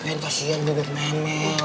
ben pasien gue buat memel